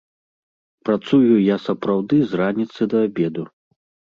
Працую я сапраўды з раніцы да абеду.